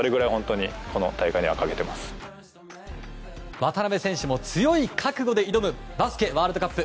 渡邊選手も強い覚悟で挑むバスケワールドカップ